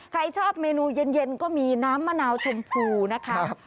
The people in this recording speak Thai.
ใครชอบเมนูเย็นก็มีน้ำมะนาวชมพูนะคะ